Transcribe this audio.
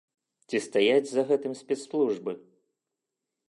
Ці стаяць за гэтым спецслужбы?